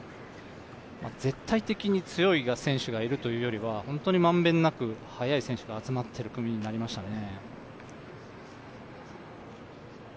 絶対的に強い選手がいるというよりはまんべんなく速い選手が集まっている組になりましたね。